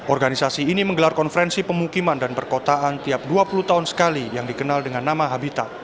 organisasi ini menggelar konferensi pemukiman dan perkotaan tiap dua puluh tahun sekali yang dikenal dengan nama habitat